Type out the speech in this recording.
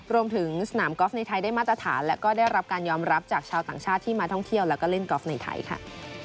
รวมถึงสนามกอล์ฟในไทยได้มาตรฐานและก็ได้รับการยอมรับจากชาวต่างชาติที่มาท่องเที่ยวแล้วก็เล่นกอล์ฟในไทยค่ะ